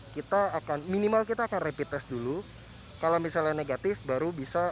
kita akan minimal kita akan rapi tes dulu kalau misalnya negatif baru bisa mencoba